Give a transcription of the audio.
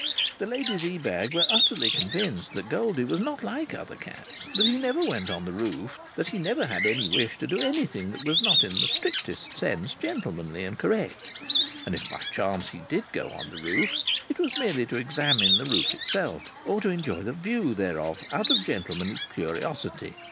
The ladies Ebag were utterly convinced that Goldie was not like other cats, that he never went on the roof, that he never had any wish to do anything that was not in the strictest sense gentlemanly and correct. And if by chance he did go on the roof, it was merely to examine the roof itself, or to enjoy the view therefrom out of gentlemanly curiosity.